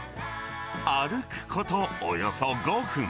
歩くことおよそ５分。